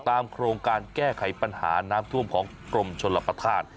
โครงการแก้ไขปัญหาน้ำท่วมของกรมชนรับประทาน